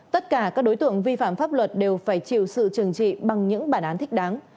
tất cả các đối tượng vi phạm pháp luật đều phải chịu sự trừng trị bằng những bản án thích đáng